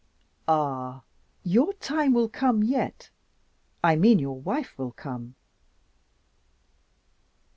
Ah, your time will come yet I mean your wife will come."